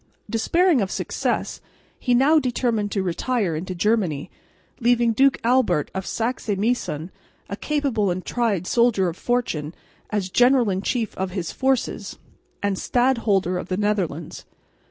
Despairing of success, he now determined to retire into Germany, leaving Duke Albert of Saxe Meissen, a capable and tried soldier of fortune, as general in chief of his forces and Stadholder of the Netherlands.